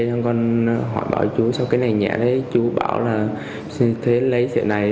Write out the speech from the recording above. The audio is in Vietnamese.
rồi con hỏi bảo chú sao cái này nhẹ đấy chú bảo là thế lấy sợi này